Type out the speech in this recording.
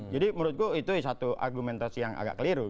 jadi menurutku itu satu argumentasi yang agak keliru